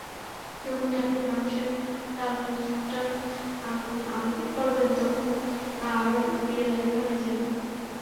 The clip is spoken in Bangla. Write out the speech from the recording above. যখনই আপনি বাক্সের ডালাটা আলগা করবেন, তখন আবার বিড়াল একটা হয়ে যাবে।